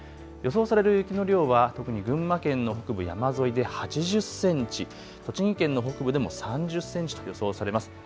予想される雪の量は特に群馬県の北部山沿いで８０センチ、栃木県の北部でも３０センチと予想されます。